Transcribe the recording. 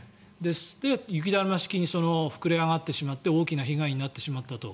で、雪だるま式に膨れ上がってしまって大きな被害になってしまったと。